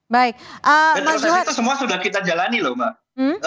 dan proses itu semua sudah kita jalani mbak